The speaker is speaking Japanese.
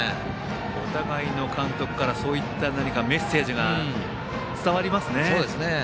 お互いの監督からそういったメッセージが伝わりますね。